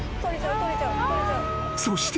そして］